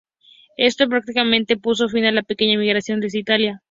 Esto prácticamente puso fin a la pequeña emigración desde Italia.